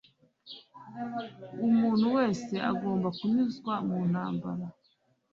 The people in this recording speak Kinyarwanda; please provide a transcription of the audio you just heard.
Umuntu wese agomba kunyuzwa mu ntambara.